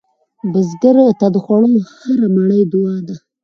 بزګر ته د خوړو هره مړۍ دعا ده